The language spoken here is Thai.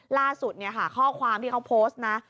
ล่าสุดเนี่ยค่ะข้อความที่เขาโพสต์นะ